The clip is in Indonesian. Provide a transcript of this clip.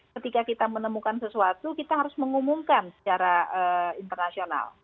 ketika kita menemukan sesuatu kita harus mengumumkan secara internasional